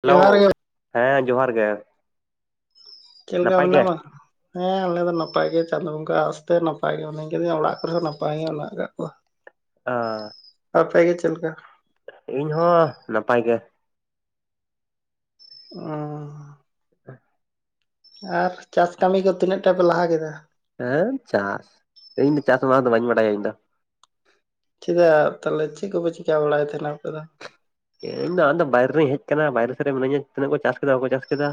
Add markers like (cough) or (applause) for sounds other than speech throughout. Hello ᱡᱚᱦᱟᱨ ᱜᱮ ᱦᱮᱸ ᱡᱚᱦᱟᱨ ᱜᱮ ᱪᱮᱜ ᱞᱮᱠᱟ ᱱᱟᱯᱟᱭ ᱜᱮ ᱢᱮᱱᱟᱢᱟ? ᱦᱮᱸ ᱟᱞᱮ ᱫᱚ ᱱᱟᱯᱟᱭ ᱜᱮ ᱪᱟᱸᱫᱳ ᱵᱚᱸᱜᱟ ᱟᱥᱛᱮ ᱱᱟᱯᱟᱭ ᱜᱮ ᱢᱮᱱᱟᱜ ᱟᱠᱟᱫᱤᱧᱟ ᱚᱲᱟᱜ ᱠᱚᱨᱮ ᱦᱚᱸ ᱱᱟᱯᱟᱭ ᱜᱮ ᱢᱮᱱᱟᱜ ᱟᱠᱟᱫ ᱠᱚᱣᱟ ᱟᱸ ᱟᱯᱮ ᱜᱮ ᱪᱮᱜ ᱞᱮᱠᱟ? ᱤᱧ ᱦᱚᱸ ᱱᱟᱯᱟᱭ ᱜᱮ ᱚᱸ (unintelligible) ᱟᱨ ᱪᱟᱥ ᱠᱟᱹᱢᱤ ᱠᱚ ᱛᱤᱱᱟᱹᱜ ᱴᱟ ᱯᱮ ᱞᱟᱦᱟ ᱠᱮᱫᱟ? ᱦᱟᱹᱨ ᱪᱟᱥ ᱤᱧ ᱫᱚ ᱪᱟᱥ ᱢᱟᱥ ᱫᱚ ᱵᱟᱹᱧ ᱵᱟᱰᱟᱭᱟ ᱤᱧ ᱫᱚ ᱪᱮᱫᱟᱜ ᱛᱟᱦᱞᱮ ᱪᱮᱜ ᱠᱚᱯᱮ ᱪᱤᱠᱟᱹ ᱵᱟᱲᱟᱭ ᱛᱟᱦᱮᱱᱟ ᱟᱯᱮ ᱫᱚ? ᱤᱧ ᱫᱚ ᱟᱫᱚ ᱵᱟᱭᱨᱮ ᱨᱮᱧ ᱦᱮᱡ ᱠᱟᱱᱟ ᱵᱟᱭᱨᱮ ᱥᱮᱫ ᱨᱮ ᱢᱤᱱᱟᱹᱧᱟ ᱛᱤᱱᱟᱹᱜ ᱠᱚ ᱪᱟᱥ ᱠᱮᱫᱟ ᱵᱟᱠᱚ ᱪᱟᱥ ᱠᱮᱫᱟ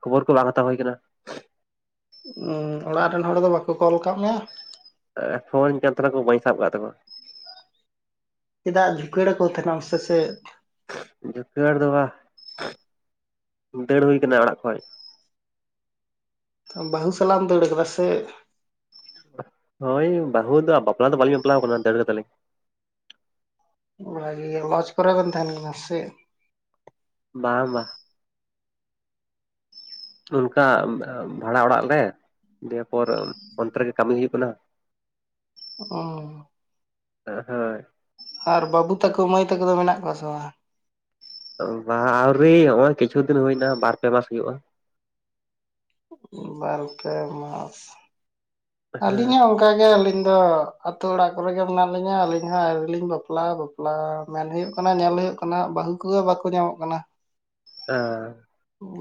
ᱠᱷᱚᱵᱚᱨ ᱠᱚ ᱵᱟᱝ ᱦᱟᱛᱟᱣ ᱦᱩᱭ ᱠᱟᱱᱟ᱾ ᱚᱸ ᱚᱲᱟᱜ ᱨᱮᱱ ᱦᱚᱲ ᱫᱚ ᱵᱟᱠᱚ ᱠᱚᱞ ᱠᱟᱜ ᱢᱮᱭᱟ? ᱮᱸ ᱯᱷᱳᱱᱤᱧ ᱠᱟᱱ ᱛᱟᱸᱦᱮᱱᱟᱠᱚ ᱵᱟᱹᱧ ᱥᱟᱵ ᱠᱟᱜ ᱛᱟᱠᱚᱣᱟ᱾ ᱪᱮᱫᱟᱜ ᱡᱷᱩᱠᱟᱹᱲᱟᱠᱚ ᱛᱟᱦᱮᱱᱟᱢ ᱥᱮ ᱪᱮᱜ? ᱡᱩᱠᱷᱟᱹᱲ ᱫᱚ ᱵᱟ ᱫᱟᱹᱲ ᱦᱩᱭ ᱠᱟᱱᱟ ᱚᱲᱟᱜ ᱠᱷᱚᱡ ᱵᱟᱹᱦᱩ ᱥᱟᱞᱟᱜ ᱮᱢ ᱫᱟᱹᱲ ᱠᱟᱫᱟ ᱥᱮᱜ? ᱦᱳᱭ ᱵᱟᱹᱦᱩ ᱫᱚ ᱵᱟᱯᱞᱟ ᱫᱚ ᱵᱟᱹᱞᱤᱧ ᱵᱟᱯᱞᱟᱣ ᱠᱟᱱᱟ ᱫᱟᱹᱲ ᱠᱟᱫᱟᱞᱤᱧ ᱚᱱᱟ ᱜᱤ ᱞᱚᱡᱽ ᱠᱚᱨᱮ ᱵᱮᱱ ᱛᱟᱦᱮᱱ ᱠᱟᱱᱟ ᱥᱮᱜ? ᱵᱟᱝ ᱵᱟᱝ ᱚᱱᱠᱟ ᱵᱷᱟᱲᱟ ᱚᱲᱟᱜ ᱞᱨᱮ ᱫᱤᱭᱮᱯᱚᱨ ᱚᱱᱛᱮ ᱨᱮᱜᱮ ᱠᱟᱹᱢᱤ ᱦᱩᱭᱩᱜ ᱠᱟᱱᱟ᱾ ᱚᱸ ᱮ ᱦᱳᱭ ᱟᱨ ᱵᱟᱹᱵᱩ ᱛᱟᱠᱚ ᱢᱟᱹᱭ ᱛᱟᱠᱚ ᱫᱚ ᱢᱮᱱᱟᱜ ᱠᱚᱣᱟ ᱥᱮ ᱵᱟᱝ? ᱵᱟᱻ ᱟᱹᱣᱨᱤ ᱱᱚᱜᱼᱭ ᱠᱤᱪᱷᱩ ᱫᱤᱱ ᱦᱩᱭᱱᱟ ᱵᱟᱨ ᱯᱮ ᱢᱟᱥ ᱦᱩᱭᱩᱜᱼᱟ᱾ ᱵᱟᱨ ᱯᱮ ᱢᱟᱥ ᱦᱮᱸ ᱟᱹᱞᱤᱧ ᱦᱚᱸ ᱚᱝᱠᱟ ᱜᱮ ᱟᱹᱞᱤᱧ ᱫᱚ ᱟᱛᱳ ᱚᱲᱟᱜ ᱠᱚᱨᱮ ᱜᱮ ᱢᱮᱱᱟᱜ ᱞᱤᱧᱟᱹ ᱟᱹᱞᱤᱧ ᱦᱚᱸ ᱟᱹᱣᱨᱤ ᱞᱤᱧ ᱵᱟᱯᱞᱟᱜᱼᱟ᱾ ᱯᱞᱟ ᱢᱮᱱ ᱦᱩᱭᱩᱜ ᱠᱟᱱᱟ ᱧᱮᱞ ᱦᱩᱭᱩᱜ ᱠᱟᱱᱟ ᱦᱟᱸᱜ ᱵᱟᱹᱦᱩ ᱠᱚᱸᱦᱚ ᱵᱟᱠᱚ ᱧᱟᱢᱚᱜ ᱠᱟᱱᱟ᱾ ᱚ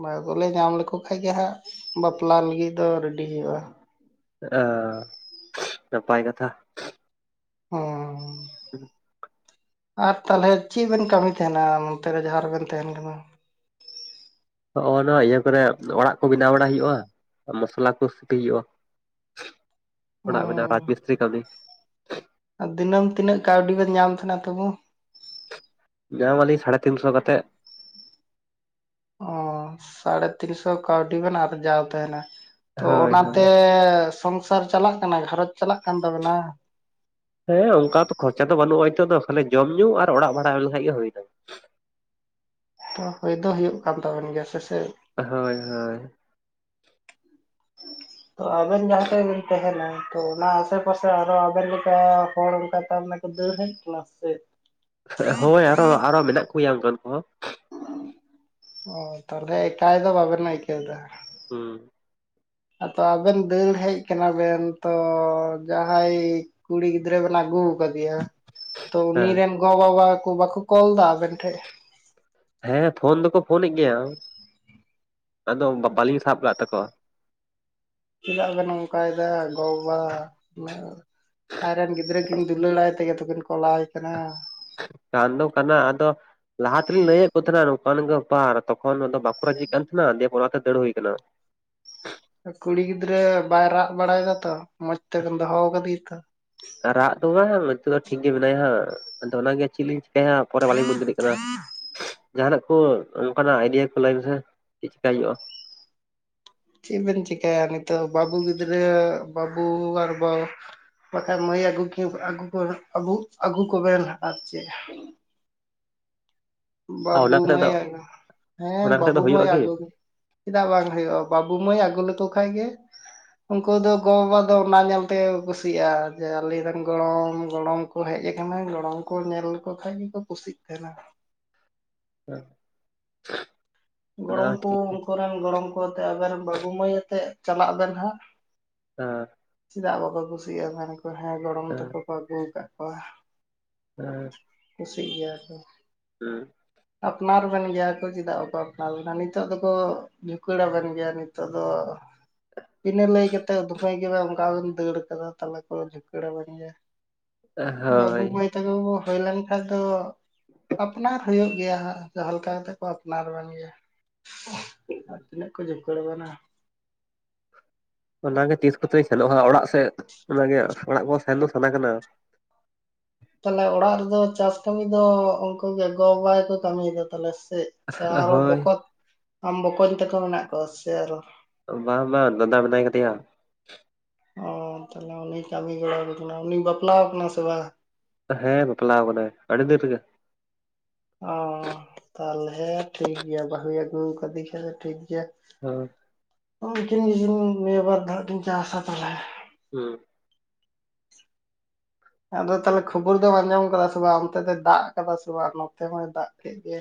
ᱵᱟᱹᱦᱩ ᱠᱚᱞᱮ ᱧᱟᱢ ᱞᱮᱠᱚ ᱠᱷᱟᱡ ᱜᱮ ᱦᱟᱸᱜ ᱵᱟᱯᱞᱟ ᱞᱟᱹᱜᱤᱫ ᱫᱚ ᱨᱮᱰᱤ ᱦᱩᱭᱩᱜᱼᱟ᱾ ᱚᱸ ᱱᱟᱯᱟᱭ ᱠᱟᱛᱷᱟ ᱚᱸ ᱦᱩᱸ ᱟᱨ ᱛᱟᱞᱦᱮ ᱪᱮᱜ ᱵᱮᱱ ᱠᱟᱹᱢᱤ ᱛᱟᱦᱮᱱᱟ ᱱᱚᱱᱛᱮ ᱨᱮ ᱡᱟᱦᱟᱸ ᱨᱮᱵᱮᱱ ᱛᱟᱦᱮᱱ ᱠᱟᱱᱟ? ᱦᱚᱜ-ᱚ ᱱᱚᱣᱟ ᱤᱭᱟᱹ ᱠᱚᱨᱮ ᱚᱲᱟᱜ ᱠᱚ ᱵᱮᱱᱟᱣ ᱵᱟᱲᱟ ᱦᱩᱭᱩᱜᱼᱟ ᱢᱚᱥᱞᱟ ᱠᱚ ᱥᱤᱯᱤ ᱦᱩᱭᱩᱜᱼᱟ᱾ ᱚᱲᱟᱜ ᱵᱮᱱᱟᱣ ᱨᱟᱡᱽ ᱢᱤᱥᱛᱨᱤ ᱠᱟᱹᱢᱤ᱾ ᱟ ᱫᱤᱱᱟᱹᱢ ᱛᱤᱱᱟᱹᱜ ᱠᱟᱹᱣᱰᱤ ᱵᱮᱱ ᱧᱟᱢ ᱛᱟᱦᱱᱟ ᱛᱩᱵᱩ? ᱧᱟᱢᱟᱞᱤᱧ ᱥᱟᱲᱮ ᱛᱤᱱᱥᱚ ᱠᱟᱛᱮᱫ ᱚ ᱥᱟᱲᱮ ᱛᱤᱱᱥᱚ ᱠᱟᱣᱰᱤ ᱵᱚᱱ ᱟᱨᱡᱟᱣ ᱛᱟᱸᱦᱮᱱᱟ ᱛᱚ ᱦᱳᱭ ᱦᱳᱭ ᱚᱱᱟᱛᱮ ᱥᱚᱝᱥᱟᱨ ᱪᱟᱞᱟᱜ ᱠᱟᱱᱟ ᱜᱷᱟᱨᱚᱸᱡᱽ ᱪᱟᱞᱟᱜ ᱠᱟᱱ ᱛᱟᱵᱮᱱᱟ ᱵᱟᱝ ᱦᱮᱸ ᱚᱱᱠᱟ ᱛᱚ ᱠᱷᱚᱨᱪᱟ ᱫᱚ ᱵᱟᱹᱱᱩᱜᱼᱟ ᱱᱤᱛᱚᱜ ᱫᱚ ᱠᱷᱟᱞᱤ ᱡᱚᱢ ᱧᱩ ᱟᱨ ᱚᱲᱟᱜ ᱵᱟᱷᱟᱲᱟᱣ ᱞᱮᱠᱷᱟᱱ ᱜᱮ ᱦᱩᱭᱱᱟ ᱛᱚ ᱦᱩᱭ ᱫᱚ ᱦᱩᱭᱩᱜ ᱠᱟᱱ ᱛᱟᱵᱚᱱ ᱜᱮᱭᱟ ᱥᱮ ᱪᱮᱫ? ᱦᱳᱭ ᱦᱳᱭ ᱛᱚ ᱟᱵᱮᱱ ᱡᱟᱦᱟᱸᱴᱷᱮᱱ ᱵᱮᱱ ᱛᱟᱦᱮᱱᱟ ᱛᱚ ᱚᱱᱟ ᱟᱥᱮ ᱯᱟᱥᱮ ᱟᱨᱚ ᱟᱵᱮᱱ ᱞᱮᱠᱟ ᱦᱚᱲᱚᱱᱠᱟ ᱛᱚ ᱫᱟᱹᱲ ᱦᱮᱡ ᱟᱠᱟᱱᱟᱭ ᱥᱮ ᱪᱮᱫ? ᱦᱳᱭ ᱟᱨᱚ ᱟᱨᱚ ᱢᱮᱱᱟᱜ ᱠᱚᱜᱮᱭᱟ ᱚᱱᱠᱟᱱ ᱠᱚᱦᱚᱸ ᱚ ᱛᱟᱦᱚᱞᱮ ᱮᱠᱟᱭ ᱫᱚ ᱵᱟᱵᱮᱱ ᱟᱹᱭᱠᱟᱹᱣᱮᱫᱟ ᱦᱩᱸ ᱟᱫᱚ ᱟᱵᱮᱱ ᱫᱟᱹᱲ ᱦᱮᱡ ᱠᱟᱱᱟ ᱵᱮᱱ ᱛᱚ ᱡᱟᱦᱟᱸᱭ ᱠᱩᱲᱤ ᱜᱤᱫᱽᱨᱟᱹ ᱵᱮᱱ ᱟᱜᱩ ᱣᱟᱠᱟᱫᱮᱭᱟ ᱛᱚ ᱩᱱ ᱦᱮᱸ ᱨᱮᱱ ᱜᱚ ᱵᱟᱵᱟ ᱠᱚ ᱵᱟᱠᱚ ᱠᱚᱞ ᱮᱫᱟ ᱟᱵᱮᱱ ᱴᱷᱮ? ᱦᱮᱸ ᱯᱷᱳᱱ ᱫᱚᱠᱚ ᱯᱷᱳᱱᱮᱫ ᱜᱮᱭᱟ ᱟᱫᱚ ᱵᱟᱹᱞᱤᱧ ᱥᱟᱵ ᱠᱟᱫ ᱛᱟᱠᱚᱣᱟ ᱪᱮᱫᱟᱜ ᱵᱮᱱ ᱱᱚᱝᱠᱟᱭᱮᱫᱟ ᱜᱚ ᱵᱟᱵᱟ ᱟᱡ ᱨᱮᱱ ᱜᱤᱫᱽᱨᱟᱹ ᱠᱤᱱ ᱫᱩᱞᱟᱹᱲᱟᱭ ᱛᱮᱜᱮ ᱠᱤᱱ ᱠᱚᱞᱟᱣ ᱟᱭ ᱠᱟᱱᱟ ᱠᱟᱱ ᱫᱚ ᱠᱟᱱᱟ ᱟᱫᱚ ᱞᱟᱦᱟ ᱛᱮᱞᱤᱧ ᱞᱟᱹᱭᱮᱫ ᱠᱚ ᱛᱟᱦᱮᱱᱟ ᱱᱚᱝᱠᱟᱱ ᱱᱚᱝᱠᱟᱱ ᱜᱮ ᱜᱟᱯᱟᱨ ᱛᱚᱠᱷᱚᱱ ᱫᱚ ᱵᱟᱸᱠᱩ ᱨᱟᱡᱤᱜ ᱠᱟᱱ ᱛᱟᱦᱮᱱᱟ ᱫᱤᱭᱮ ᱯᱚᱨᱛᱮ ᱫᱟᱹᱲ ᱦᱩᱭᱩᱟᱱᱟ ᱠᱩᱲᱤ ᱜᱤᱫᱽᱨᱟᱹ ᱵᱟᱭ ᱨᱟᱜ ᱵᱟᱲᱟᱭ ᱫᱟᱛᱚ ᱢᱚᱸᱡᱽ ᱛᱮᱵᱚᱱ ᱫᱚᱦᱚ ᱟᱠᱟᱫᱮᱭᱟ ᱛᱚ? ᱨᱟᱜ ᱫᱚ ᱵᱟᱝ ᱱᱤᱛᱚᱜ ᱫᱚ ᱴᱷᱤᱠ ᱜᱮ ᱢᱮᱱᱟᱭᱟ ᱦᱟᱜ ᱟᱫᱚ ᱚᱱᱟᱜᱮ ᱪᱮᱫᱤ ᱦᱮᱸ ᱦᱮᱸ ᱯᱚᱨᱮ ᱵᱟᱞᱤᱧ ᱵᱩᱡᱽ ᱫᱟᱲᱮᱭᱟᱜ ᱠᱟᱱᱟ ᱡᱟᱦᱱᱟᱜ ᱠᱚ ᱚᱱᱠᱟᱱᱟᱜ ᱟᱭᱰᱤᱭᱟ ᱠᱚ ᱞᱟᱹᱭ ᱢᱮᱥᱮ ᱪᱮᱫ ᱪᱮᱠᱟᱹᱭ ᱦᱩᱭᱩᱜᱼᱟ? ᱪᱮᱫ ᱵᱮᱱ ᱪᱮᱠᱟᱭᱟ ᱱᱤᱛᱚᱜ ᱵᱟᱹᱵᱩ ᱜᱤᱫᱽᱨᱟᱹ ᱵᱟᱹᱵᱩ ᱟᱨ ᱵᱟ ᱵᱟᱠᱷᱟᱱᱡ ᱢᱟᱹᱭ ᱟᱹᱜᱩ ᱠ ᱟᱹᱜᱩ ᱠᱚᱩ ᱟᱹᱜᱩ ᱠᱚᱵᱮᱱ ᱟᱨ ᱪᱮᱫ? ᱟᱨ ᱚᱱᱟ ᱵᱟᱵᱩ ᱠᱟᱛᱮᱫ ᱫᱚ ᱢᱟᱹᱭ, ᱦᱮᱸ ᱚᱱᱟ ᱠᱟᱛᱮᱫ ᱫᱚ ᱵᱟᱵᱩ ᱦᱩᱭᱩᱜᱼᱟ ᱢᱟᱹᱭ ᱠᱤ ᱟᱜᱩ ᱪᱮᱫᱟᱜ ᱵᱟᱝ ᱦᱩᱭᱩᱜᱼᱟ ᱵᱟᱹᱵᱩ ᱢᱟᱹᱭ ᱟᱹᱜᱩ ᱞᱮᱠᱚ ᱠᱷᱟᱡ ᱜᱮ ᱩᱱᱠᱩ ᱫᱚ ᱜᱚ ᱵᱟᱵᱟ ᱫᱚ ᱚᱱᱟ ᱧᱮᱞ ᱛᱮ ᱠᱩᱥᱤᱜᱼᱟ ᱡᱮ ᱟᱞᱧᱨᱮ ᱨᱮᱱ ᱜᱚᱲᱚᱢ ᱜᱚᱲᱚᱢ ᱦᱮᱡ ᱟᱠᱟᱱᱟ ᱜᱚᱲᱚᱢ ᱠᱚ ᱧᱮᱞ ᱞᱮᱠᱚ ᱠᱷᱟᱡ ᱜᱮᱠᱚ ᱠᱩᱥᱤᱜ ᱠᱟᱱᱟ (unintelligible) ᱚᱱᱟ ᱦᱚᱸ ᱜᱚᱲᱚᱢᱠᱩ ᱴᱷᱤᱠ ᱜᱮ ᱩᱱᱠᱩᱮᱱ ᱜᱚᱲᱚᱢ ᱠᱚ ᱟᱛᱮ ᱟᱵᱮᱱ ᱵᱟᱹᱵᱩ ᱢᱟᱹᱭ ᱟᱛᱮᱜ ᱪᱟᱞᱟᱜ ᱵᱮᱱ ᱦᱟᱸᱜ ᱦᱮᱸ ᱪᱮᱫᱟᱜ ᱵᱟᱠᱚ ᱠᱩᱥᱤᱭᱟᱜᱼᱟ ᱢᱮ ᱠᱚ ᱦᱮᱸ ᱜᱚᱲᱚᱢ ᱦᱮᱸ ᱛᱟᱠᱚ ᱠᱚ ᱟᱹᱜᱩ ᱠᱟᱜ ᱠᱚᱣᱟ᱾ ᱦᱮᱸ ᱠᱩᱥᱤᱜ ᱜᱮᱭᱟ ᱠᱚ ᱦᱩᱸ ᱟᱯᱱᱟᱨᱱ ᱵᱮᱱ ᱜᱮᱭᱟ ᱠᱚ ᱪᱮᱫᱟᱜ ᱵᱟᱠᱚ ᱟᱯᱱᱟᱨᱱᱟᱨ ᱵᱮᱱᱟ ᱱᱤᱛᱚᱜ ᱫᱚᱠᱚ ᱡᱷᱩᱠᱩᱲᱟ. ᱠᱟᱱ ᱜᱮᱭᱟ ᱱᱤᱛᱚᱜ ᱫᱚ ᱵᱤᱱᱟᱹ ᱞᱟᱹᱭ ᱠᱟᱛᱮᱜ ᱫᱚ ᱩᱯᱟ. ᱭ ᱜᱤ ᱵᱟᱝ ᱚᱠᱟ ᱫᱟᱹᱲ ᱠᱟᱫᱟ ᱛᱟᱞᱟ ᱠᱚ ᱡᱷᱩᱠᱲᱟᱹ ᱦᱮᱸ ᱵᱟᱹᱵᱩ ᱦᱳᱭ ᱢᱟᱹᱭ? (unintelligible) ᱦᱩᱭ ᱞᱮᱱ ᱠᱷᱟᱱᱡ ᱫᱚ ᱟᱯᱱᱟᱨ ᱦᱩᱭᱩᱜ ᱜᱮᱭᱟ ᱦᱟᱸᱜ ᱡᱟᱦᱟᱸ ᱞᱮᱠᱟ ᱠᱟᱛᱮᱜ ᱠᱚ ᱟᱯᱱᱟᱨ ᱜᱮᱭᱟ ᱪᱮᱫᱠᱟ ᱛᱤᱱᱟᱹᱜ ᱠᱚ ᱡᱷᱩᱠᱟᱹᱲ ᱟᱵᱮᱱᱟ ᱚᱱᱟᱜᱮ ᱛᱤᱥ ᱠᱚᱛᱮᱧ ᱥᱮᱱᱚᱜᱼᱟ ᱚᱲᱟᱜ ᱥᱮᱫ ᱚᱱᱟᱜᱮ ᱚᱲᱟᱜ ᱠᱚ ᱥᱮᱱ ᱫᱚ ᱥᱟᱱᱟ ᱠᱟᱱᱟ ᱛᱟᱦᱞᱮ ᱚᱲᱟᱜ ᱨᱮᱫᱚ ᱪᱟᱥ ᱠᱟᱹᱢᱤ ᱫᱚ ᱩᱱᱠᱚ ᱜᱮ ᱜᱚ ᱵᱟᱵᱟᱠᱚ ᱠᱟᱹᱢᱤᱭᱮᱫᱟ ᱛᱟᱞᱮ ᱥᱮ? ᱥᱮ ᱟᱨᱚ ᱦᱳᱭ ᱵᱚᱠᱚᱛ ᱟᱢ ᱵᱚᱠᱚᱧ ᱛᱟᱠᱚ ᱢᱮᱱᱟᱜ ᱠᱚᱣᱟ ᱥᱮ ᱟᱨᱚ? ᱵᱟᱝ ᱵᱟᱝ ᱫᱟᱫᱟ ᱢᱮᱱᱟᱭ ᱟᱠᱟᱫᱮᱭᱟ ᱚ, ᱛᱟᱦᱞᱮ ᱩᱱᱤ ᱠᱟᱹᱢᱤ ᱜᱚᱲᱚᱣᱟᱵᱮᱱ ᱠᱟᱱᱟ, ᱩᱱᱤᱭ ᱵᱟᱯᱞᱟᱣ ᱠᱟᱱᱟ ᱥᱮ ᱵᱟᱝ ᱦᱮᱸ ᱵᱟᱯᱞᱟ ᱟᱠᱟᱱᱟᱭ ᱟᱹᱰᱤ ᱫᱤᱱ ᱨᱮᱜᱮ ᱚ ᱛᱟᱦᱚᱞᱮ ᱴᱷᱤᱠ ᱜᱮᱭᱟ ᱵᱟᱹᱦᱩ ᱟᱹᱜᱩ ᱠᱟᱫᱮᱠᱷᱟᱱᱮ ᱴᱷᱤᱠ ᱜᱮᱭᱟ ᱦᱮᱸ (unintelligible) ᱱᱤᱭᱟᱹᱵᱟᱨ ᱫᱚ ᱠᱤᱱ ᱪᱟᱥᱟ ᱛᱟᱦᱚᱞᱮ ᱦᱮᱸ ᱟᱫᱚ ᱛᱟᱦᱚᱞᱮ ᱠᱷᱚᱵᱚᱨ ᱫᱚᱢ ᱟᱸᱡᱚᱢ ᱟᱠᱟᱫᱟ ᱥᱮ ᱵᱟᱝ ᱚᱱᱛᱮ ᱫᱚᱭ ᱫᱟᱜ ᱟᱠᱟᱫᱟ ᱥᱮ ᱵᱟᱝ ᱱᱚᱛᱮ ᱦᱚᱸᱭ ᱫᱟᱜ ᱠᱮᱫ ᱜᱮ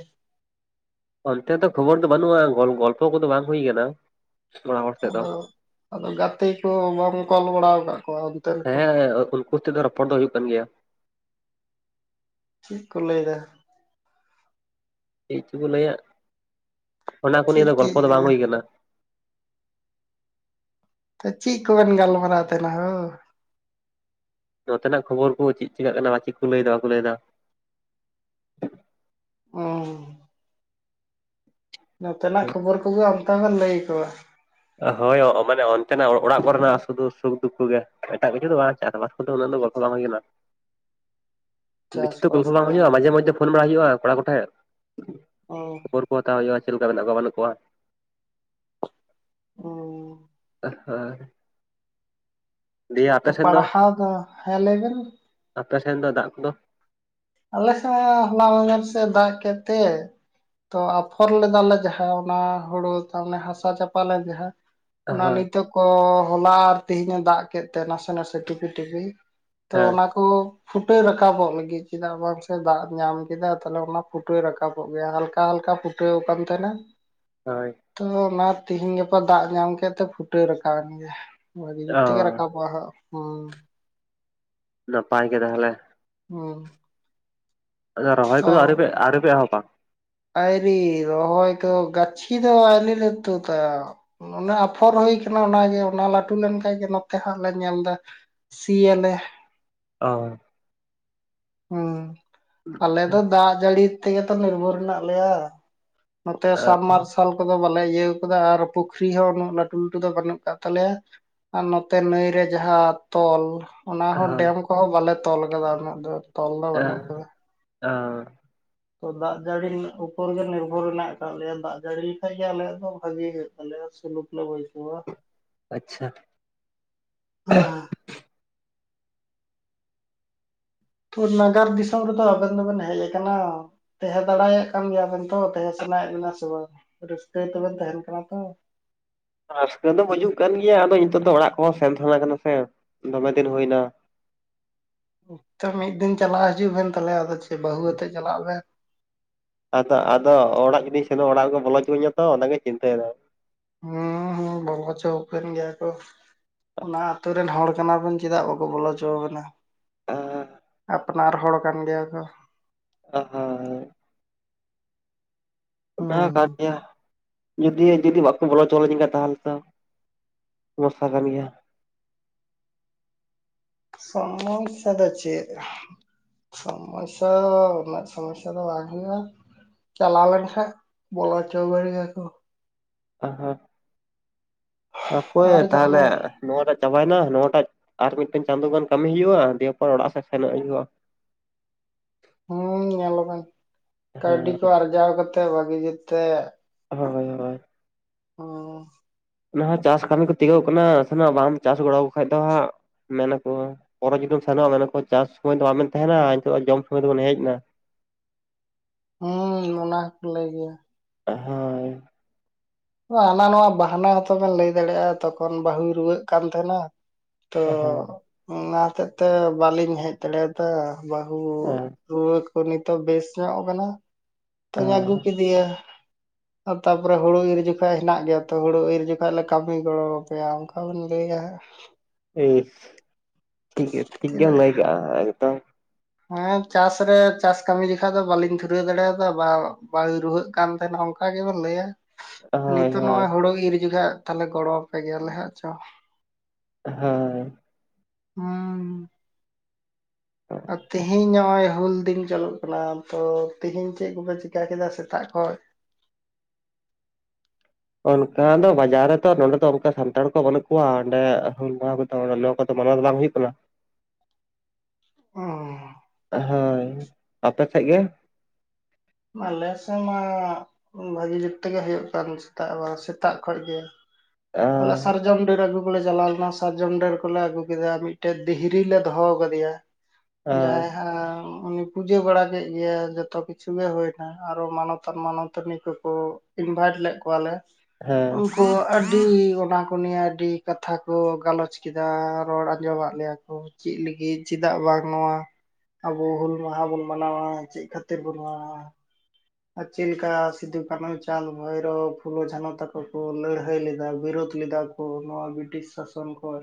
ᱚᱱᱛᱮ ᱫᱚ ᱠᱷᱚᱵᱚᱨ ᱫᱚ ᱵᱟᱹᱱᱩᱜ-ᱟ ᱜᱚᱞ ᱜᱚᱞᱯᱚ ᱠᱚᱫᱚ ᱵᱟᱝ ᱦᱩᱭ ᱟᱠᱟᱱᱟ ᱟᱫᱚ ᱟᱫᱚ ᱜᱟᱛᱮ ᱠᱚ ᱵᱟᱢ ᱠᱚᱞ ᱵᱟᱲᱟᱣᱟ ᱠᱟᱫ ᱠᱚᱣᱟ ᱚᱱᱛᱮᱱ ᱠᱚ ᱦᱮᱸ ᱩᱱᱠᱩ ᱛᱮᱫᱚ ᱨᱚᱯᱚᱲ ᱫᱚ ᱦᱩᱭᱩᱜ ᱠᱟᱱ ᱜᱮᱭᱟ ᱪᱮᱫ ᱠᱚ ᱞᱟᱹᱭ ᱮᱫᱟ ᱪᱤᱜ ᱪᱚ ᱠᱚ ᱞᱟᱹᱭᱟ ᱚᱱᱟ ᱠᱚ ᱱᱤᱭᱟᱹ ᱪᱮᱫ ᱫᱚ ᱜᱚᱞᱯᱚ ᱫᱚ ᱵᱟᱝ ᱦᱩᱭ ᱟᱠᱟᱱᱟ ᱛᱚ ᱪᱮᱫ ᱠᱚᱵᱮᱱ ᱜᱟᱞᱢᱟᱨᱟᱣ ᱛᱟᱦᱮᱱᱟ ᱦᱳ ᱱᱚᱛᱮᱱᱟᱜ ᱠᱷᱚᱵᱚᱨ ᱠᱚ ᱪᱮᱫ ᱪᱤᱠᱟᱜ ᱠᱟᱱᱟ ᱪᱤᱠ ᱠᱚ ᱞᱟᱹᱭᱮᱫᱟ ᱵᱟᱠᱚ ᱞᱟᱹᱭᱮᱫᱟ (unintelligible) ᱱᱚᱛᱮᱱᱟᱜ ᱠᱷᱚᱵᱚᱨ ᱠᱚᱜᱮ ᱚᱱᱠᱟ ᱜᱮ ᱞᱟᱹᱭ ᱟᱠᱚᱣᱟ (unintelligible) ᱦᱳᱭ ᱢᱟᱱᱮ ᱚᱱᱛᱮᱱᱟᱜ ᱚᱲᱟᱜ ᱠᱚᱨᱮᱱᱟᱜ ᱥᱩᱫᱩ ᱥᱩᱠ-ᱫᱩᱠᱷ ᱠᱚᱜᱮ ᱮᱴᱟᱜ ᱠᱤᱪᱷᱩ ᱫᱚ ᱵᱟᱝ ᱪᱟᱥ ᱵᱟᱥ ᱟᱫᱚ ᱩᱱᱟᱹᱜ ᱫᱚ ᱵᱟᱠᱚ ᱫᱟᱢ ᱟᱠᱤᱱᱟ ᱵᱮᱥᱤ ᱛᱚ ᱪᱟᱥᱵᱟᱥ ᱜᱚᱞᱯᱚ ᱵᱟᱝ ᱠᱚ ᱦᱩᱭᱩᱜ-ᱟ ᱢᱟᱡᱷᱮ ᱢᱟᱚᱫᱡᱷᱮ ᱯᱷᱳᱱ ᱵᱟᱲᱟ ᱦᱩᱭᱩᱜ-ᱟ ᱠᱚᱲᱟ ᱠᱚᱴᱷᱮᱱ ᱚᱸ (unintelligible) (unintelligible) ᱠᱚ ᱦᱟᱛᱟᱣ ᱦᱩᱭᱩᱜ-ᱟ ᱪᱮᱫ ᱞᱮᱠᱟ ᱢᱮᱱᱟᱜ ᱠᱚᱣᱟ ᱵᱟᱹᱱᱩᱜ ᱠᱚᱣᱟ ᱦᱩᱸ (unintelligible) (unintelligible) (unintelligible) ᱫᱤᱭᱮ ᱛᱚ ᱟᱯᱮ ᱥᱮᱱ ᱯᱟᱲᱦᱟᱣ ᱫᱚ ᱦᱮᱸ ᱞᱟᱭᱵᱮᱱ ᱟᱯᱮᱥᱱ ᱫᱚ ᱫᱟᱜ ᱠᱚᱫᱚ ᱟᱞᱮ ᱥᱮᱜ ᱦᱚᱞᱟ ᱢᱟᱻᱜᱫᱷᱮᱨ ᱥᱮᱜ ᱫᱟᱜ ᱠᱮᱫ ᱛᱮ ᱛᱚ ᱟᱯᱷᱚᱨ ᱞᱮᱫᱟᱞ ᱞᱮ ᱡᱟᱦᱟᱸ ᱚᱱᱟ ᱦᱩᱲᱩ ᱛᱟᱢᱟᱱᱮ ᱦᱟᱥᱟ ᱪᱟᱯᱟᱞᱮ (unintelligible) ᱡᱟᱦᱟᱸ ᱚᱱᱟ ᱦᱳᱭ ᱱᱤᱛᱚᱜ ᱠᱚ ᱦᱚᱞᱟ ᱟᱨ ᱛᱮᱦᱤᱧᱟ ᱫᱟᱜ ᱠᱮᱫ ᱛᱮ ᱱᱟᱥᱮ ᱱᱟᱥᱮ ᱴᱷᱤᱯᱤ ᱴᱷᱤᱯᱤ ᱛᱚ ᱦᱮᱸ ᱚᱱᱟᱠᱚ ᱯᱷᱩᱴᱟᱹ ᱨᱟᱠᱟᱵᱚᱜ ᱞᱟᱹᱜᱤᱫ ᱪᱮᱫᱟᱜ ᱵᱟᱝᱥᱮ ᱫᱟᱜ ᱧᱟᱢ ᱠᱮᱫᱟ ᱛᱟᱦᱚᱞᱮ ᱚᱱᱟ ᱯᱷᱩᱴᱟᱹ ᱨᱟᱠᱟᱵᱚᱜ ᱜᱮᱭᱟ ᱦᱟᱞᱠᱟ ᱦᱟᱞᱠᱟ ᱯᱷᱩᱴᱟᱹᱣ ᱟᱠᱟᱱ ᱛᱟᱦᱮᱸᱱᱟ ᱦᱳᱭ ᱛᱚᱞᱟ ᱛᱤᱦᱤᱧ ᱜᱟᱯᱟ ᱫᱟᱜ ᱧᱟᱢ ᱠᱮᱫ ᱛᱮ ᱯᱷᱩᱴᱟᱹᱣ ᱨᱟᱠᱟᱣ ᱮᱱ ᱜᱮᱭᱟ ᱵᱷᱟᱹᱜᱤ ᱚ ᱛᱤᱜᱤ ᱨᱟᱠᱟᱵᱚ-ᱟ ᱦ ᱱᱟᱯᱟᱭ ᱜᱮ ᱛᱟᱦᱞᱮ ᱦᱩᱸ ᱟᱫᱚ ᱨᱚᱦᱚᱭ ᱠᱚᱫᱚ ᱛᱚ ᱟᱣᱨᱤ ᱟᱣᱨᱤ ᱯᱮ ᱮᱦᱚᱵ-ᱟ ᱟᱭᱨᱤ ᱨᱟᱦᱚᱭ ᱠᱚ ᱜᱟᱪᱷᱤ ᱫᱚ ᱟᱭᱞᱤ ᱞᱮ ᱛᱩᱫ-ᱟ ᱚᱱᱚᱱᱮ ᱟᱯᱷᱚᱨ ᱦᱩᱭ ᱠᱟᱱᱟ ᱚᱱᱟᱜᱮ ᱚᱱᱟ ᱞᱟᱹᱴᱩ ᱞᱮᱱᱠᱷᱟ ᱜᱮ ᱱᱚᱛᱮ ᱦᱟᱸᱜ ᱞᱮ ᱧᱮᱞ ᱮᱫᱟ ᱥᱤᱻᱭᱟᱞᱮ ᱚ (unintelligible) ᱦᱩᱸ ᱟᱞᱮ ᱫᱚ ᱫᱟᱜ ᱡᱟᱹᱲᱤ ᱛᱮᱜᱮ ᱛᱚ ᱱᱤᱨᱵᱷᱚᱨ ᱢᱮᱱᱟᱜ ᱞᱮᱭᱟ ᱱᱚᱛᱮ ᱥᱟᱢᱢᱟᱨᱥ (unintelligible) (unintelligible) ᱠᱚᱫᱚ ᱵᱟᱞᱮ ᱤᱭᱟᱹᱣ ᱟᱠᱟᱫᱼᱟ ᱟᱨ ᱯᱩᱠᱷᱨᱤ ᱦᱚᱸ ᱩᱱᱟᱹᱜ ᱞᱟᱹᱴᱩ ᱞᱟᱹᱴᱩ ᱫᱚ ᱵᱟᱹᱱᱩᱜ ᱟᱠᱟᱫ ᱛᱟᱞᱮᱭᱟ ᱟᱨ ᱱᱚᱛᱮ ᱱᱟᱹᱭ ᱨᱮ ᱡᱟᱦᱟᱸ ᱛᱚᱞ ᱚᱱᱟ ᱟᱪᱪᱷᱟ ᱦᱚᱸ ᱰᱮᱢ ᱠᱚᱦᱚᱸ ᱵᱟᱞᱮ ᱛᱚᱞ ᱟᱠᱟᱫᱟ ᱩᱱᱟᱹᱜ ᱫᱚ ᱛᱚᱞ ᱫᱚ ᱵᱟᱹᱱᱩᱜ ᱟᱠᱟᱫᱟ ᱟᱨ (unintelligible) ᱛᱚ ᱫᱟᱜ ᱡᱟᱹᱲᱤ ᱩᱯᱚᱨ ᱜᱮ ᱱᱤᱨᱵᱷᱚᱨ ᱢᱮᱱᱟᱜ ᱟᱠᱟᱫ ᱞᱮᱭᱟ ᱫᱟᱜ ᱡᱟᱹᱲᱤ ᱞᱮᱠᱟᱭ ᱜᱮ ᱟᱞᱮ ᱫᱚ ᱵᱷᱟᱜᱤ ᱜᱮ ᱟᱞᱮ ᱦᱚ ᱥᱩᱞᱩᱯ ᱞᱮ (unintelligible) -ᱟ ᱟᱪᱷᱟ (unintelligible) ᱦᱮᱸ ᱛᱩᱨ ᱱᱟᱜᱟᱨ ᱫᱤᱥᱚᱢ ᱨᱮᱫᱚ ᱟᱵᱮᱱ ᱫᱚᱵᱮᱱ ᱦᱮᱡ ᱟᱠᱟᱱᱟ (unintelligible) ᱛᱟᱦᱮᱸ ᱫᱟᱲᱮᱭᱟᱜ ᱠᱟᱱ ᱜᱮᱭᱟᱵᱮᱱ ᱛᱚ ᱛᱟᱦᱮᱸ ᱥᱟᱱᱟᱭᱮᱫ ᱵᱮᱱᱟ ᱥᱮ ᱵᱟᱝ ᱨᱟᱹᱥᱠᱟᱹ ᱛᱮᱵᱮᱱ ᱛᱟᱦᱮᱟᱸᱱ ᱠᱟᱱᱟ ᱛᱚ ᱨᱟᱹᱥᱠᱟᱹ ᱫᱚ ᱵᱟᱹᱡᱩᱜ ᱠᱟᱱ ᱜᱮᱭᱟ ᱟᱫᱚ ᱱᱤᱛᱚᱜ ᱫᱚ ᱚᱲᱟᱜ ᱠᱚᱦᱚᱸ ᱥᱮᱱ ᱛᱟᱦᱮᱸᱱᱟ ᱠᱟᱱᱟ ᱥᱮ ᱫᱚᱢᱮ ᱫᱤᱱ ᱦᱩᱭᱱᱟ ᱛᱚ ᱢᱤᱫ ᱫᱤᱱ ᱪᱟᱞᱟᱜ ᱦᱤᱡᱩᱜ ᱵᱮᱱ ᱛᱟᱦᱚᱞᱮ ᱟᱫᱚ ᱪᱮᱫ ᱵᱟᱹᱦᱩ ᱟᱛᱮᱜ ᱪᱟᱞᱟᱜ ᱵᱮᱱ ᱟᱫᱚ ᱟᱫᱚ ᱚᱲᱟᱜ ᱡᱩᱫᱤᱧ ᱥᱮᱱᱚᱜ-ᱟ ᱚᱲᱟᱜ ᱨᱮᱠᱚ ᱵᱚᱞᱚ ᱚᱪᱚᱣᱟᱹᱧᱟ ᱛᱚ ᱚᱱᱟᱜᱮ ᱪᱤᱱᱛᱟᱭᱮᱫᱟ ᱩᱸ ᱦᱩᱸ ᱵᱚᱞᱟ ᱦᱚᱪᱚ ᱟᱵᱮᱱ ᱜᱮᱭᱟ ᱠᱚ ᱚᱱᱟ ᱟᱛᱳ ᱨᱮᱱ ᱦᱚᱲ ᱠᱟᱱᱟᱵᱚᱱ ᱪᱮᱫᱟᱜ ᱵᱟᱠᱚ ᱵᱚᱞᱚ ᱦᱚᱪᱚ ᱟᱵᱚᱱᱟ ᱟᱻᱟ ᱟᱯᱱᱟᱨ ᱦᱚᱲ ᱠᱟᱱ ᱜᱮᱭᱟ ᱠᱚ ᱚ ᱦᱚᱭ ᱚᱱᱟ ᱦᱩᱸ ᱠᱟᱱ ᱜᱮᱭᱟ ᱡᱩᱫᱤ ᱡᱩᱫᱤ ᱵᱟᱠᱚ ᱵᱚᱞᱚ ᱦᱚᱪᱚ ᱞᱤᱧ ᱠᱷᱟᱱ ᱛᱟᱦᱚᱞᱮ ᱛᱚ ᱥᱚᱢᱚᱥᱥᱟ ᱠᱟᱱ ᱜᱮᱭᱟ᱾ ᱥᱚᱢᱥᱥᱟ ᱫᱚ ᱪᱮᱫ ᱥᱚᱢᱚᱥᱥᱟ ᱩᱱᱟᱜ ᱥᱚᱢᱚᱥᱥᱟ ᱫᱚ ᱵᱟᱝ ᱦᱩᱭᱩᱜᱼᱟ᱾ ᱪᱟᱞᱟᱣ ᱞᱮᱱ ᱠᱷᱟᱱ ᱵᱚᱞᱚ ᱦᱚᱪᱚ ᱟᱹᱵᱤᱱ ᱜᱮᱭᱟ ᱠᱚ (unintelligible) ᱚᱠᱚᱭ ᱟᱨ ᱛᱟᱦᱚᱞᱮ ᱡᱟᱦᱟᱱᱟᱜ ᱱᱚᱣᱟᱴᱟᱜ ᱪᱟᱵᱟᱭᱮᱱᱟ ᱱᱚᱣᱟᱴᱟᱜ ᱟᱨ ᱢᱤᱫᱴᱮᱱ ᱪᱟᱸᱫᱳ ᱜᱟᱱ ᱠᱟᱹᱢᱤ ᱦᱩᱭᱩᱜᱼᱟ ᱫᱤᱭᱮᱯᱚᱨ ᱚᱲᱟᱜ ᱥᱮᱫ ᱥᱮᱱᱚᱜ ᱦᱩᱭᱩᱜᱼᱟ᱾ ᱦᱩᱸ ᱧᱮᱞ ᱵᱮᱱ ᱠᱟᱹᱣᱰᱤ ᱦᱮᱸ ᱠᱚ ᱟᱨᱡᱟᱣ ᱠᱟᱛᱮ ᱵᱷᱟᱜᱤ ᱡᱮᱛᱮ ᱦᱳᱭ ᱦᱳᱭ ᱦᱩᱸ ᱚᱱᱟ ᱪᱟᱥ ᱠᱟᱹᱢᱤ ᱠᱚ ᱛᱤᱠᱟᱹᱣ ᱠᱟᱱᱟ ᱥᱮᱱᱚᱜ ᱵᱟᱢ ᱪᱟᱥ ᱜᱚᱲᱚ ᱟᱠᱚ ᱠᱷᱟᱭ ᱫᱚ ᱦᱟᱸᱜ ᱢᱮᱱᱟᱠᱚ ᱯᱚᱨᱮ ᱡᱩᱫᱤᱢ ᱥᱮᱱᱚᱜᱼᱟ ᱢᱮᱱᱟᱠᱚ ᱪᱟᱥ ᱥᱚᱢᱚᱭ ᱫᱚ ᱵᱟᱢᱵᱮᱱ ᱛᱟᱦᱮᱱᱟ ᱱᱤᱛᱚᱜ ᱡᱚᱢ ᱥᱩᱢᱚᱭ ᱫᱚᱵᱤᱱ ᱦᱮᱡ ᱮᱱᱟ ᱦᱩᱸ ᱚᱱᱟ ᱦᱚᱸᱠᱚ ᱞᱟᱹᱭ ᱜᱮᱭᱟ᱾ (unintelligible) ᱦᱟᱱᱟ ᱱᱚᱣᱟ ᱵᱟᱦᱟᱱᱟ ᱦᱚᱛᱚᱵᱮᱱ ᱞᱟᱹᱭ ᱫᱟᱲᱮᱭᱟᱜᱼᱟ ᱛᱚᱠᱷᱚᱱ ᱵᱟᱹᱦᱩᱭ ᱨᱩᱣᱟᱹᱜ ᱠᱟᱱ ᱛᱟᱦᱮᱱᱟ᱾ ᱛᱚ ᱦᱳᱭ ᱚᱱᱟ ᱦᱚᱛᱮᱜ ᱛᱮ ᱵᱟᱹᱞᱤᱧ ᱦᱮᱡ ᱫᱟᱲᱮᱭᱟᱫᱟ ᱵᱟᱹᱦᱩ ᱨᱩᱣᱟᱹ ᱠᱚ ᱱᱤᱛᱚᱜ ᱵᱮᱥ ᱧᱚᱜ ᱠᱟᱱᱟ ᱛᱚᱧ ᱟᱹᱜᱩ ᱦᱳᱭ ᱠᱮᱫᱮᱭᱟ᱾ ᱟᱨ ᱛᱟᱨ ᱯᱚᱨᱮ ᱦᱩᱲᱩ ᱤᱨ ᱦᱤᱡᱩᱜᱼᱼ ᱡᱚᱠᱷᱚᱱ ᱦᱮᱱᱟᱜ ᱜᱮᱭᱟ ᱛᱚ ᱦᱩᱲᱩ ᱤᱨ ᱡᱚᱠᱷᱟᱡ ᱞᱮ ᱠᱟᱹᱢᱤ ᱜᱚᱲᱚ ᱟᱯᱮᱭᱟ ᱚᱱᱠᱟ ᱵᱤᱱ ᱞᱟᱹᱭᱟ ᱦᱟᱸᱜ ᱤᱥ ᱴᱷᱤᱠ ᱴᱷᱤᱠ ᱜᱮᱢ ᱪᱮᱫᱟᱜ ᱞᱟᱹᱭ ᱠᱟᱜᱼᱟ ᱮᱠᱫᱚᱢ ᱦᱮᱸ ᱪᱟᱥ ᱨᱮ ᱪᱟᱥ ᱠᱟᱹᱢᱤ ᱡᱮᱠᱷᱟᱡ ᱫᱚ ᱵᱟᱞᱤᱧ ᱫᱷᱩᱨᱟᱹᱣ ᱫᱟᱲᱮᱭᱟᱫᱟ ᱵᱟ ᱵᱟᱹᱦᱩᱭ ᱨᱩᱣᱟᱹᱜ ᱠᱟᱱ ᱛᱟᱦᱮᱸᱱᱚ ᱚᱱᱠᱟ ᱚᱱᱟ ᱜᱮᱵᱚ ᱞᱟᱹᱭᱟ ᱦᱳᱭ ᱱᱤᱛᱚᱜ ᱦᱳᱭ ᱱᱚᱜᱼᱚᱭ ᱦᱳᱲᱳ ᱤᱨ ᱡᱚᱠᱷᱟ ᱛᱟᱦᱞᱮ ᱜᱚᱲᱚ ᱟᱯᱮ ᱜᱮᱭᱟᱞᱮ ᱦᱟᱸᱜ ᱪᱚ ᱦᱮᱸ (unintelligible) ᱟᱨ ᱛᱮᱦᱤᱧ ᱱᱚᱜᱼᱚᱭ ᱦᱩᱞ ᱫᱤᱱ ᱪᱟᱞᱟᱜ ᱠᱟᱱᱟ ᱛᱚ ᱛᱮᱦᱤᱧ ᱪᱮᱫ ᱠᱚᱯᱮ ᱪᱤᱠᱟ ᱠᱮᱫᱟ ᱥᱮᱛᱟᱜ ᱠᱷᱚᱱ ᱚᱱᱠᱟ ᱫᱚ ᱵᱟᱡᱟᱨ ᱨᱮᱛᱚ ᱱᱚᱰᱮ ᱫᱚ ᱚᱱᱠᱟ ᱥᱟᱱᱛᱟᱲ ᱠᱚ ᱵᱟᱹᱱᱩᱜ ᱠᱚᱣᱟ ᱚᱱᱰᱮ ᱦᱩᱞ ᱢᱟᱦᱟ ᱞᱳ ᱠᱚᱫᱚ ᱢᱟᱱᱟᱣ ᱫᱚ ᱵᱟᱝ ᱦᱩᱭᱩᱜ ᱠᱟᱱᱟ᱾ ᱚᱸ ᱦᱳᱭ ᱟᱯᱮ ᱥᱮᱜ ᱜᱮ ᱟᱞᱮ ᱥᱮᱫ ᱢᱟ ᱵᱷᱟᱹᱜᱤ ᱡᱩᱛ ᱛᱮᱜᱮ ᱦᱩᱭᱩᱜ ᱠᱟᱱ ᱥᱮᱛᱟᱜ ᱵᱟᱝ ᱥᱮᱛᱟᱜ ᱠᱷᱚᱡᱽ ᱜᱮ (unintelligible) ᱟᱞᱮ ᱥᱟᱨᱡᱚᱢ ᱰᱟᱹᱨ ᱟᱹᱜᱩ ᱠᱚᱞᱮ ᱪᱟᱞᱟᱣ ᱞᱮᱱᱟ ᱥᱟᱨᱡᱚᱢ ᱰᱟᱹᱨ ᱠᱚᱞᱮ ᱟᱹᱜᱩ ᱠᱮᱫᱟ ᱢᱤᱫᱴᱮᱡ ᱫᱷᱤᱦᱨᱤ ᱞᱮ ᱫᱚᱦᱚ ᱠᱟᱫᱮᱭᱟ᱾ (unintelligible) ᱡᱟᱭ ᱦᱟᱸ ᱩᱱᱤ ᱯᱩᱡᱟᱹ ᱵᱟᱲᱟ ᱠᱮᱫ ᱜᱮᱭᱟ ᱡᱚᱛᱚ ᱠᱤᱪᱷᱩ ᱜᱮ ᱦᱩᱭᱱᱟ ᱟᱨᱚ ᱢᱟᱱᱚᱛᱟᱱ ᱢᱟᱱᱚᱛᱟᱹᱱᱤ ᱠᱚᱠᱚ ᱤᱱᱵᱷᱟᱭᱤᱴ ᱞᱮᱫ ᱠᱚᱣᱟᱞᱮ ᱦᱮᱸ ᱠᱚ (unintelligible) ᱟᱹᱰᱤ ᱚᱱᱟ ᱠᱚ ᱱᱤᱭᱮ ᱟᱹᱰᱤ ᱠᱟᱛᱷᱟ ᱠᱚ ᱜᱟᱞᱚᱪ ᱠᱮᱫᱟ ᱨᱚᱲ ᱟᱸᱡᱚᱢᱟᱫ ᱞᱮᱭᱟ ᱠᱚ ᱪᱮᱫ ᱞᱟᱹᱜᱤᱫ ᱪᱮᱫᱟᱜ ᱵᱟᱝ ᱱᱚᱣᱟ ᱟᱵᱚ ᱦᱩᱞ ᱢᱟᱦᱟ ᱵᱩᱱ ᱢᱟᱱᱟᱣᱟ ᱪᱮᱫ ᱠᱷᱟᱹᱛᱤᱨ ᱵᱩᱱ ᱢᱟᱱᱟᱣᱟ ᱟᱨ ᱪᱮᱫ ᱞᱮᱠᱟ ᱥᱤᱫᱩ ᱠᱟᱹᱱᱦᱩ ᱪᱟᱸᱫᱽ ᱵᱷᱳᱭᱨᱳ ᱯᱷᱩᱞᱳ ᱡᱷᱟᱱᱚ ᱛᱟᱠᱚ ᱠᱚ ᱞᱟᱹᱲᱦᱟᱹᱭ ᱞᱮᱫᱟ ᱵᱤᱨᱳᱫ ᱞᱮᱫᱟ ᱠᱚ ᱱᱚᱣᱟ ᱵᱨᱤᱴᱤᱥ ᱥᱟᱥᱚᱱ ᱠᱷᱚᱭ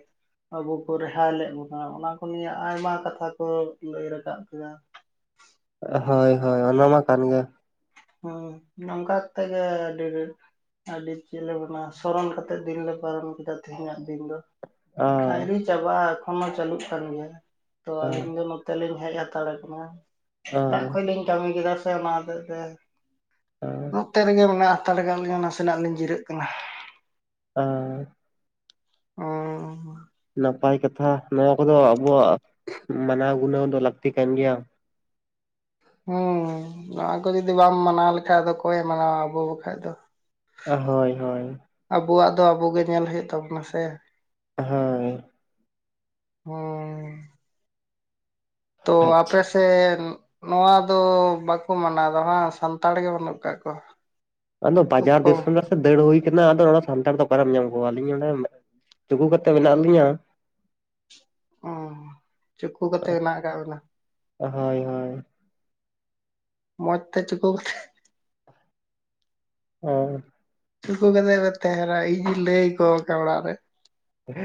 ᱟᱵᱚ ᱠᱚ ᱨᱮᱦᱟᱭ ᱞᱮᱜ ᱵᱚᱱᱟ ᱚᱱᱟ ᱠᱚ ᱱᱤᱭᱮ ᱟᱭᱢᱟ ᱠᱟᱛᱷᱟ ᱠᱚ ᱞᱟᱹᱭ ᱨᱟᱠᱟᱵ ᱠᱮᱫᱟ ᱦᱳᱭ ᱦᱳᱭ ᱚᱱᱟ ᱢᱟ ᱠᱟᱱ ᱜᱮᱭᱟ᱾ ᱦᱩ ᱱᱚᱝᱠᱟ ᱛᱮᱜᱮ ᱟᱹᱰᱤ (unintelligible) ᱟᱹᱰᱤ ᱪᱮᱫ ᱞᱮ ᱢᱮᱱᱟ ᱥᱚᱨᱚᱱ ᱠᱟᱛᱮᱫ ᱫᱤᱱ ᱞᱮ ᱯᱟᱨᱚᱢ ᱠᱮᱫᱟ ᱛᱮᱦᱮᱧᱟᱜ ᱫᱤᱱ ᱫᱚ ᱚ ᱰᱟᱭᱨᱤ ᱪᱟᱵᱟᱜ ᱮᱠᱷᱚᱱ ᱦᱚᱸ ᱪᱟᱹᱞᱩᱜ ᱠᱟᱱ ᱜᱮᱭᱟ ᱛᱚ ᱟᱸ ᱟᱹᱞᱤᱧ ᱫᱚ ᱛᱮᱞᱤᱧ ᱦᱮᱡ ᱦᱟᱛᱟᱲ ᱠᱟᱱᱟ ᱥᱮᱛᱟᱜ ᱟᱸ ᱠᱷᱚᱱ ᱞᱤᱧ ᱠᱟᱹᱢᱤ ᱠᱮᱫᱟ ᱥᱮ ᱚᱱᱟ ᱦᱚᱛᱮᱜ ᱛᱮ ᱟ ᱱᱚᱛᱮ ᱨᱮᱜᱮ ᱢᱮᱱᱟᱜ ᱦᱟᱛᱟᱲ ᱞᱤᱧ ᱱᱟᱥᱮᱱᱟᱜ ᱞᱤᱧ ᱡᱤᱨᱟᱹᱜ ᱠᱟᱱᱟ ᱟᱨ ᱚ ᱱᱟᱯᱟᱭ ᱠᱟᱛᱷᱟ ᱱᱚᱣᱟ ᱠᱚᱫᱚ ᱟᱵᱚᱣᱟᱜ ᱢᱟᱱᱟᱣ ᱜᱩᱱᱟᱹᱣ ᱫᱚ ᱞᱟᱹᱠᱛᱤ ᱠᱟᱱ ᱜᱮᱭᱟ ᱦᱮᱸ ᱱᱚᱣᱟ ᱠᱚ ᱡᱩᱫᱤ ᱵᱟᱢ ᱢᱟᱱᱟᱣ ᱞᱮᱠᱷᱟᱡ ᱫᱚ ᱚᱠᱚᱭᱮ ᱢᱟᱱᱟᱣᱟ ᱟᱵᱚ ᱵᱟᱠᱷᱟᱡ ᱫᱚ ᱦᱳᱭ ᱦᱳᱭ ᱟᱵᱚᱣᱟᱜ ᱫᱚ ᱟᱵᱚ ᱜᱮ ᱧᱮᱞ ᱦᱩᱭᱩᱜ ᱛᱟᱵᱚᱱᱟ ᱥᱮ ᱦᱳᱸ ᱦᱩᱸ ᱛᱚ ᱟᱯᱮ ᱟᱪᱪᱷᱟ ᱥᱮ ᱱᱚᱣᱟ ᱫᱚ ᱵᱟᱠᱚ ᱢᱟᱱᱟᱣᱫᱟ ᱵᱟᱝ ᱥᱟᱱᱛᱟᱲ ᱜᱮ ᱵᱟᱹᱱᱩᱜ ᱟᱠᱟᱜ ᱠᱚᱣᱟ ᱟᱫᱚ ᱠᱷᱩᱵ ᱵᱟᱡᱟᱨ ᱠᱚᱢ ᱫᱤᱥᱚᱢ ᱨᱮᱥᱮ ᱫᱟᱹᱲ ᱦᱩᱭ ᱠᱟᱱᱟ ᱟᱫᱚ ᱱᱚᱰᱮ ᱥᱟᱱᱛᱟᱲ ᱫᱚ ᱚᱠᱟᱨᱮᱢ ᱧᱟᱢ ᱠᱚᱣᱟ ᱟᱹᱞᱤᱧ ᱱᱚᱸᱰᱮ ᱪᱩᱠᱩ ᱠᱟᱛᱮ ᱢᱮᱱᱟᱜ ᱞᱤᱧᱟᱹ ᱚ ᱪᱩᱠᱩ ᱠᱟᱛᱮ ᱦᱮᱱᱟᱜ ᱟᱠᱟᱜ ᱵᱮᱱᱟ ᱦᱳᱭ ᱦᱳᱭ ᱢᱚᱡᱽ ᱛᱮ ᱪᱩᱠᱩ ᱦᱳᱭ ᱪᱩᱠᱩ ᱠᱟᱛᱮᱫ ᱯᱮ ᱛᱟᱦᱮᱸᱱᱟ ᱤᱧᱤᱧ ᱞᱟᱹᱭ ᱟᱠᱚ ᱠᱟᱱᱟ ᱚᱲᱟᱜ ᱨᱮ ᱦᱚ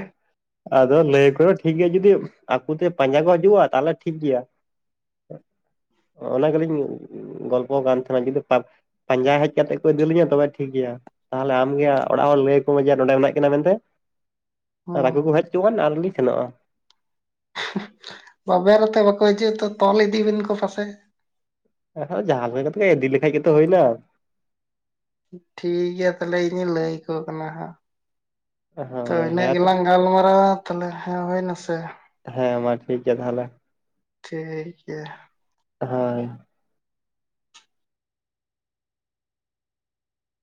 ᱟᱫᱚ ᱞᱟᱹᱭᱟᱠᱚ ᱢᱮ ᱴᱷᱤᱠ ᱜᱮᱭᱟ ᱡᱩᱫᱤ ᱟᱠᱚ ᱛᱮ ᱯᱟᱸᱡᱟ ᱠᱚ ᱦᱤᱡᱩᱜᱼᱟ ᱛᱟᱦᱞᱮ ᱴᱷᱤᱠ ᱜᱮᱭᱟ ᱚᱱᱟ ᱜᱮᱞᱤᱧ ᱜᱚᱞᱯᱚ ᱠᱟᱱ ᱛᱟᱦᱮᱱᱟ ᱡᱩᱫᱤ ᱯᱟᱸᱡᱟ ᱦᱮᱡ ᱠᱟᱛᱮᱫ ᱠᱚ ᱤᱫᱤᱞᱤᱧᱟ ᱛᱚᱵᱮ ᱴᱷᱤᱠ ᱜᱮᱭᱟ ᱛᱟᱦᱚᱞᱮ ᱟᱢᱜᱮ ᱚᱲᱟᱜ ᱦᱚᱲ ᱞᱟᱹᱭᱟᱠᱚ ᱢᱮ ᱡᱮ ᱱᱚᱸᱰᱮ ᱢᱮᱱᱟᱜ ᱠᱤᱱᱟ ᱢᱮᱱᱛᱮ ᱟᱨ ᱦᱩᱸ ᱟᱠᱚ ᱠᱚ ᱦᱮᱡᱪᱚᱣᱟᱱ ᱟᱨᱞᱤᱧ ᱥᱮᱱᱚᱜᱼᱟ ᱛᱚᱵᱮ ᱱᱚᱛᱮ ᱵᱟᱠᱚ ᱦᱤᱡᱩᱜᱼᱟ ᱛᱚ ᱛᱚᱞ ᱤᱫᱤ ᱵᱤᱱ ᱠᱚ ᱯᱟᱥᱮ ᱡᱟᱸᱦᱟ ᱞᱟᱹᱭ ᱠᱟᱛᱮ ᱜᱮ ᱤᱫᱤ ᱞᱮᱠᱷᱟᱡ ᱜᱮᱛᱚ ᱦᱩᱭᱱᱟ ᱴᱷᱤᱠ ᱜᱮᱭᱟ ᱛᱟᱦᱞᱮ ᱤᱧᱤᱧ ᱞᱟᱹᱭ ᱟᱠᱚ ᱠᱟᱱᱟ ᱦᱟᱸᱜ ᱛᱚ ᱦᱳᱭ ᱤᱱᱟᱹᱜ ᱦᱮᱸ ᱛᱚ ᱜᱮᱞᱟᱝ ᱜᱟᱞᱢᱟᱨᱟᱣᱟ ᱛᱟᱦᱚᱞᱮ ᱦᱮᱸ ᱦᱩᱭᱱᱟᱥᱮ ᱦᱮᱸ ᱢᱟ ᱴᱷᱤᱠ ᱜᱮᱭᱟ ᱛᱟᱦᱚᱞᱮ ᱴᱷᱤᱠ ᱜᱮᱭᱟ ᱦᱳᱭ